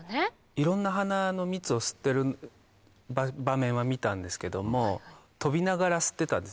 いろんな花の蜜を吸ってる場面は見たんですけども飛びながら吸ってたんです。